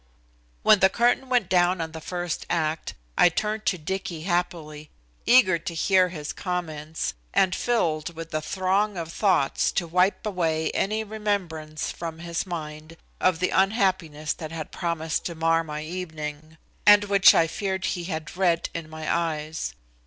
When the curtain went down on the first act I turned to Dicky happily, eager to hear his comments and filled with a throng of thoughts to wipe away any remembrance from his mind of the unhappiness that had promised to mar my evening, and which I feared he had read in my eyes.